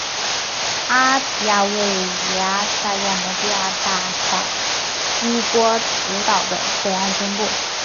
阿皮亚位于萨摩亚第二大岛乌波卢岛的北岸中部。